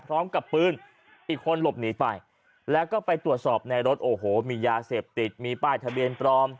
พร้อมกับปืนอีกคนหลบหนีไปแล้วก็ไปตรวจสอบในรถโอ้โหมียาเสพติดมีป้ายทะเบียนปลอม